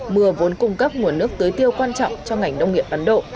mưa vốn cung cấp nguồn nước tới tiêu quan trọng cho ngành nông nghiệp văn độ